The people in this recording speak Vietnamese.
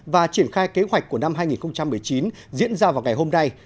và triển khai kế hoạch của năm hai nghìn một mươi chín diễn ra vào ngày hôm nay